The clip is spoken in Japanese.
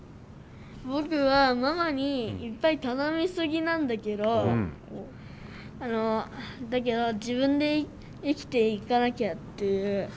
僕はママにいっぱい頼み過ぎなんだけどだけど自分で生きていかなきゃっていう。